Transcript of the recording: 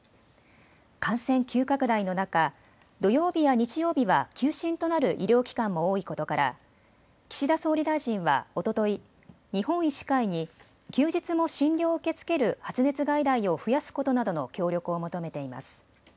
感染急拡大の中、土曜日や日曜日は休診となる医療機関も多いことから岸田総理大臣はおととい、日本医師会に休日も診療を受け付ける発熱外来を増やすことなどの協力を求めています。